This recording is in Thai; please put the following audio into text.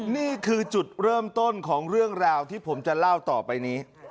นี่คือจุดเริ่มต้นของเรื่องราวที่ผมจะเล่าต่อไปนี้